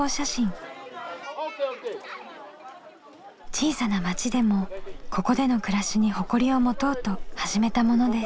小さな町でもここでの暮らしに誇りを持とうと始めたものです。